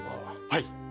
はい。